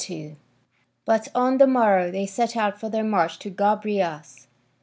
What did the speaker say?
2] But on the morrow they set out for their march to Gobryas.